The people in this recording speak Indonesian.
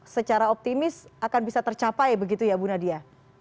secara optimis akan bisa tercapai begitu ya bu nadia